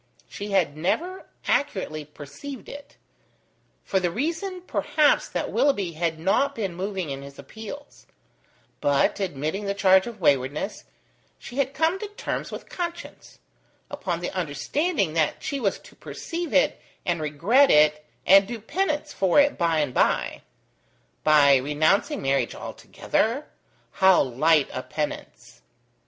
She had never accurately perceived it: for the reason perhaps that Willoughby had not been moving in his appeals: but, admitting the charge of waywardness, she had come to terms with conscience, upon the understanding that she was to perceive it and regret it and do penance for it by and by: by renouncing marriage altogether? How light a penance!